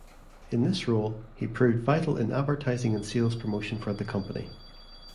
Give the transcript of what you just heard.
In this role, he proved vital in advertising and sales promotion for the company.